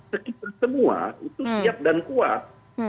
sekitar semua itu siap dan kuat